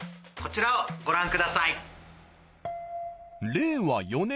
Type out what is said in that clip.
こちらをご覧ください。